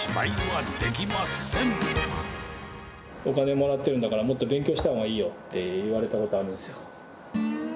お金もらってるんだから、もっと勉強したほうがいいよって言われたことあるんですよ。